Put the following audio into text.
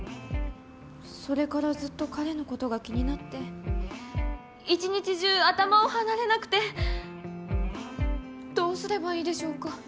それからずっと彼のことが気になって１日中頭を離れなくてどうすればいいでしょうか。